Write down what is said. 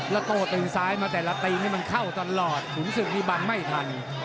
แล้วโต้ตีนซ้ายมาแต่ละตีนี่มันเข้าตลอดขุนศึกนี่บังไม่ทัน